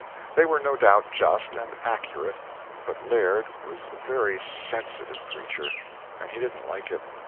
They were no doubt just, and accurate, but Laird was a very sensitive creature, and he didn't like it.